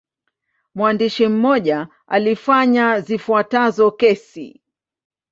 Mwandishi mmoja alifanya zifuatazo kesi.